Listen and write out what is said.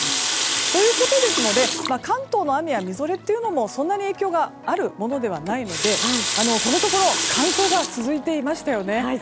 ということですので関東の雨やみぞれというのもそんなに影響があるものではないのでこのところ乾燥が続いていましたよね。